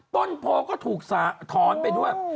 ต้นโพก็ถูกถอนไปด้วย